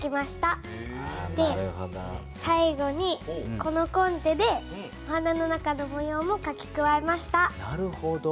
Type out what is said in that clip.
そして最後にこのコンテでお花の中のも様もかき加えました。